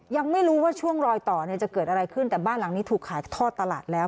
ยังไม่รู้ว่าช่วงรอยต่อเนี่ยจะเกิดอะไรขึ้นแต่บ้านหลังนี้ถูกขายทอดตลาดแล้ว